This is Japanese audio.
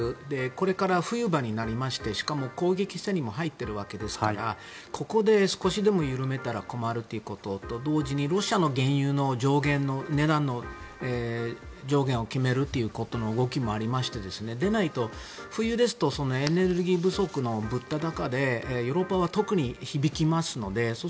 これから、冬場になりましてここで少しでも緩めたら困るということと同時にロシアの原油の値段の上限を決めるということの動きもありましてでないと、冬ですとエネルギー不足の物価高でヨーロッパは特に響きますのでそ